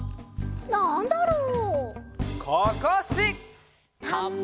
「なんだろう？